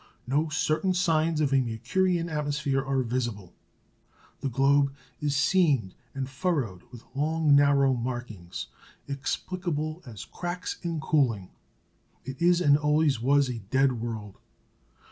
No certain signs of a Mercurian atmosphere are visible. The globe is seamed and furrowed with long narrow markings, explicable as cracks in cooling. It is, and always was, a dead world.